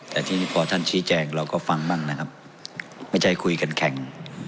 แต่ทีนี้พอท่านชี้แจงเราก็ฟังบ้างนะครับไม่ใช่คุยกันแข่ง